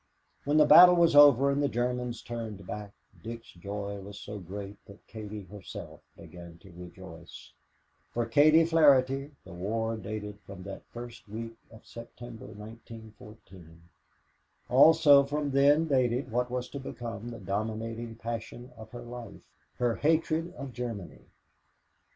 When the battle was over and the Germans turned back, Dick's joy was so great that Katie herself began to rejoice. For Katie Flaherty, the war dated from that first week of September, 1914. Also from then dated what was to become the dominating passion of her life her hatred of Germany.